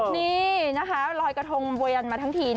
นี่นะคะลอยกระทงบัวยันมาทั้งที